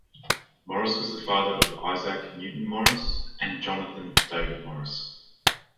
Morris was the father of Isaac Newton Morris and Jonathan David Morris.